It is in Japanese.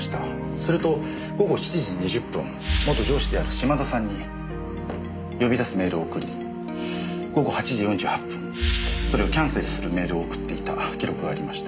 すると午後７時２０分元上司である島田さんに呼び出すメールを送り午後８時４８分それをキャンセルするメールを送っていた記録がありました。